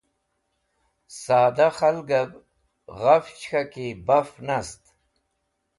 Saadah Khalgev Gach K̃haki Baf nast